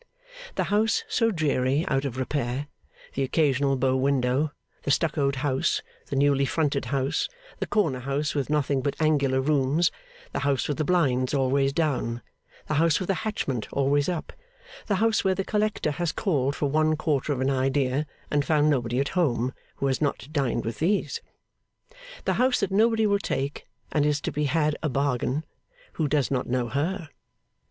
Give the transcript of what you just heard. The house so drearily out of repair, the occasional bow window, the stuccoed house, the newly fronted house, the corner house with nothing but angular rooms, the house with the blinds always down, the house with the hatchment always up, the house where the collector has called for one quarter of an Idea, and found nobody at home who has not dined with these? The house that nobody will take, and is to be had a bargain who does not know her?